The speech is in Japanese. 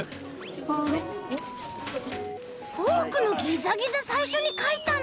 フォークのギザギザさいしょにかいたんだ！